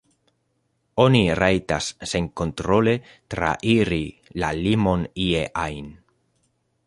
Oni rajtas senkontrole trairi la limon ie ajn.